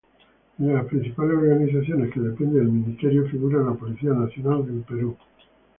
Entre las principales organizaciones que dependen del Ministerio figura la Policía Nacional del Perú.